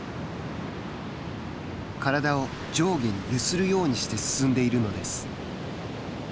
体を上下に揺するようにして進んでいるのです。